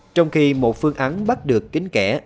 trong khi một phương án bắt được kính kẻ